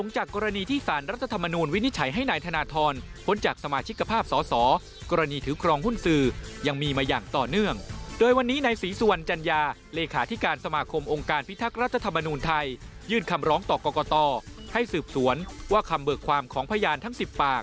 เจาะประเด็นจากรายงานครับ